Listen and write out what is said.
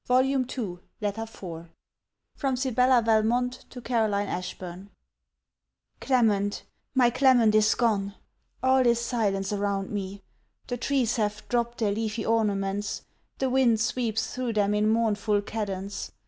CLEMENT MONTGOMERY LETTER IV FROM SIBELLA VALMONT TO CAROLINE ASHBURN Clement my Clement is gone! All is silence around me. The trees have dropped their leafy ornaments; the wind sweeps through them in mournful cadence.